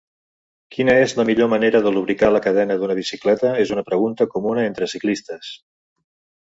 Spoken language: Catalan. Quina és millor manera de lubricar la cadena d'una bicicleta és una pregunta comuna entre ciclistes.